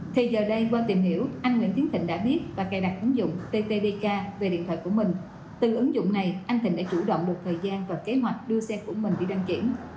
thì giờ đây qua tìm hiểu anh nguyễn tiến thịnh đã biết và cài đặt ứng dụng ttdk về điện thoại của mình từ ứng dụng này anh thịnh đã chủ động một thời gian và kế hoạch đưa xe của mình đi đăng kiểm